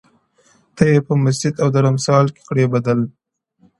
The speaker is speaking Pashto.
• ته یې په مسجد او درمسال کي کړې بدل؛